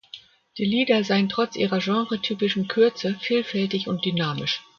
Die Lieder seien trotz ihrer genretypischen Kürze vielfältig und dynamisch.